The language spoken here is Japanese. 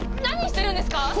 何してるんですか